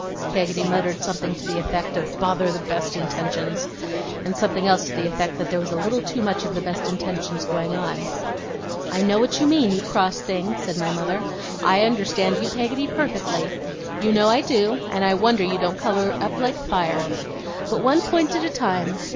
Peggotty muttered something to the effect of 'Bother the best intentions!' and something else to the effect that there was a little too much of the best intentions going on. 'I know what you mean, you cross thing,' said my mother. 'I understand you, Peggotty, perfectly. You know I do, and I wonder you don't colour up like fire. But one point at a time.